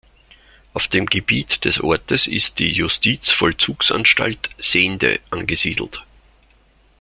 Auf dem Gebiet des Ortes ist die Justizvollzugsanstalt Sehnde angesiedelt.